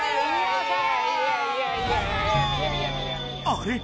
あれ？